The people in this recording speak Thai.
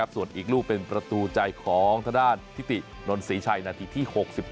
ส่วนอีกลูกเป็นประตูใจของทางด้านทิตินนศรีชัยนาทีที่๖๗